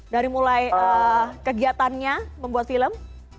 dari mulai kegiatannya membuat film